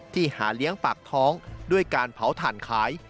หาเลี้ยงปากท้องด้วยการเผาถ่านขาย